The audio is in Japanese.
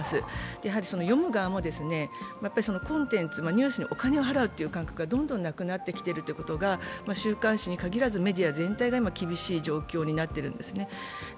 やはり読む側も、コンテンツ、ニュースにお金を払うという感覚がどんどんなくなってきてるということが、週刊誌に限らずメディア全体が今、厳しい状況になってきているんですね。